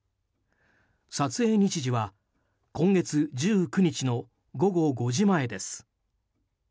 撮影日時は今月１９日の午後５時前です。